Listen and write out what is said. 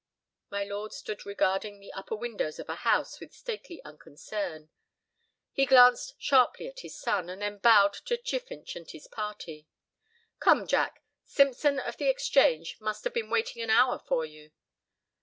My lord stood regarding the upper windows of a house with stately unconcern. He glanced sharply at his son, and then bowed to Chiffinch and his party. "Come, Jack. Simpson of the Exchange must have been waiting an hour for you.